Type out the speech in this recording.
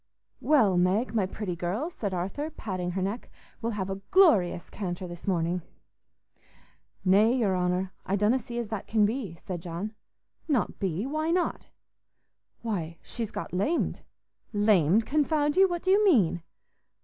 "Well, Meg, my pretty girl," said Arthur, patting her neck, "we'll have a glorious canter this morning." "Nay, your honour, I donna see as that can be," said John. "Not be? Why not?" "Why, she's got lamed." "Lamed, confound you! What do you mean?"